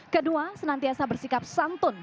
kedua senantiasa bersikap santun